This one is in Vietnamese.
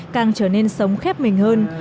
càng trở nên sống khép mình hơn